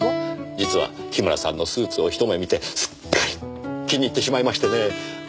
実は樋村さんのスーツを一目見てすっかり気に入ってしまいましてね。